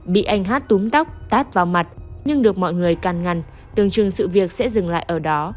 bị anh hát túm tóc tát vào mặt nhưng được mọi người can ngăn từng chừng sự việc sẽ dừng lại ở đó